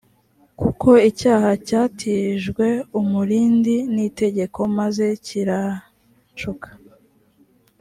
kuko icyaha cyatijwe umurindi n itegeko maze kiranshuka